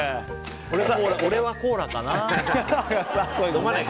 俺はコーラかな。